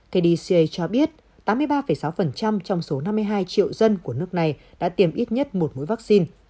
kdca cho biết tám mươi ba sáu trong số năm mươi hai triệu dân của nước này đã tiêm ít nhất một mũi vaccine